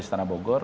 di setengah bogor